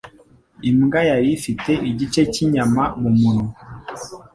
Imbwa yari ifite igice cyinyama mumunwa.